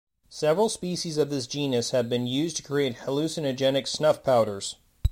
Several species of this genus have been used to create hallucinogenic snuff powders.